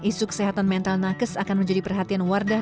isu kesehatan mental nakes akan menjadi perhatian wardah